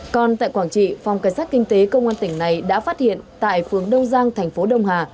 còn tại quảng trị phòng cảnh sát kinh tế công an tỉnh này đã phát hiện tại phường đông giang thành phố đông hà